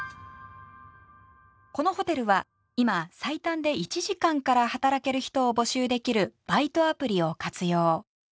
このホテルは今最短で１時間から働ける人を募集できるバイトアプリを活用。